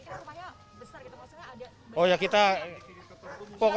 itu semuanya besar gitu maksudnya ada